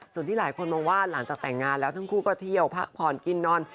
ส่วนที่หลายคนมองว่าหลังจากแต่งงานแล้วทั้งคู่ก็เที่ยวพักผ่อนกินนอน